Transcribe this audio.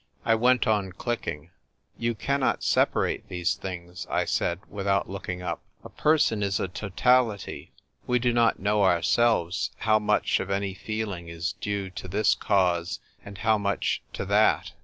I went on clicking. " You cannot sepa rate these things," I said, without look ing up. " A person is a totality. We do not knoW; ourselves, how much of any feeling is due to this cause, and how much to that.